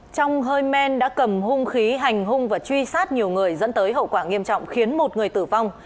trong hơi men đã cầm hung khí hành hung và truy sát nhiều người dẫn tới hậu quả nghiêm trọng khiến một người tử vong